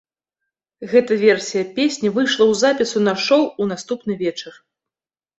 Гэта версія песні выйшла ў запісу на шоу ў наступны вечар.